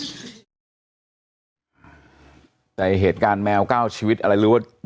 แต่เหตุการณ์แมวเก้าชีวิตอะไรหรือว่า